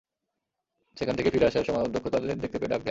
সেখান থেকে ফিরে আসার সময় অধ্যক্ষ তাদের দেখতে পেয়ে ডাক দেন।